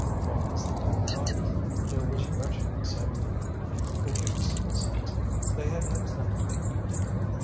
What was the good of knocking? There was wretchedness everywhere. For weeks since they had had nothing to eat.